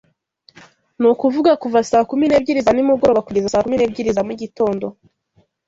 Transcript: ni ukuvuga kuva saa kumi n’ebyiri za nimugoroba kugeza saa kumi n’ebyiri za mu gitondo